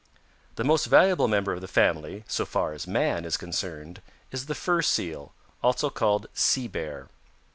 "The most valuable member of the family, so far as man is concerned, is the Fur Seal, also called Sea Bear.